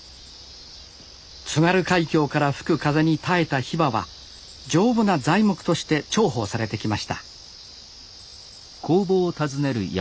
津軽海峡から吹く風に耐えたヒバは丈夫な材木として重宝されてきました